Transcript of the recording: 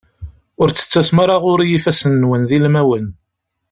Ur d-tettasem ara ɣur-i ifassen-nwen d ilmawen.